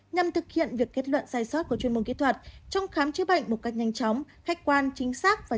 nhằm thực hiện việc kết luận sai sát của chuyên môn kỹ thuật trong khám chứa bệnh một cách nhanh chóng khách quan chính xác và trách nhiệm hơn